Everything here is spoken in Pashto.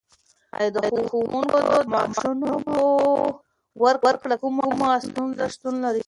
ایا د ښوونکو د معاشونو په ورکړه کې کومه ستونزه شتون لري؟